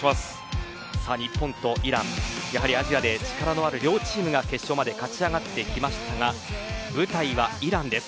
さあ、日本とイランやはりアジアで力のある両チームが決勝まで勝ち上がってきましたが舞台はイランです。